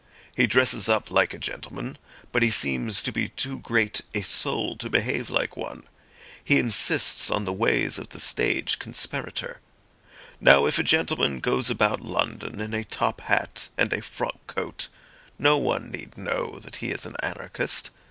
He dresses up like a gentleman, but he seems to be too great a soul to behave like one. He insists on the ways of the stage conspirator. Now if a gentleman goes about London in a top hat and a frock coat, no one need know that he is an anarchist.